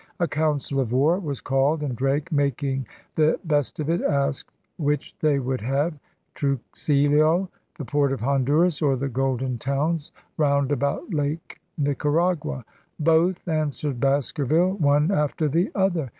A council of war was called and Drake, making the best of it, asked which they would have, Truxillo, the port of Honduras, or the 'golden towns' round about Lake Nicaragua. 'Both,* answered Basker ville, 'one after the other.